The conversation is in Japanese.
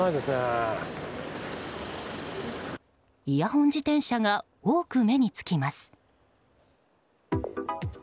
イヤホン自転車が多く目につきます。